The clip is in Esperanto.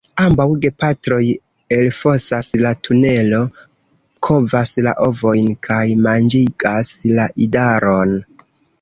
Ambaŭ gepatroj elfosas la tunelo, kovas la ovojn kaj manĝigas la idaron.